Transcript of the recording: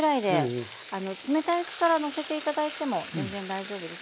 冷たいうちからのせて頂いても全然大丈夫です。